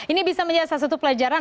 ini bisa menjadi salah satu pelajaran